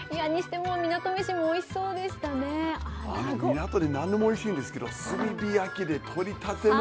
港で何でもおいしいんですけど炭火焼きでとりたての。